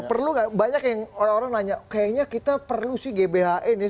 perlu gak banyak yang orang orang nanya kayaknya kita perlu sih gbhn ya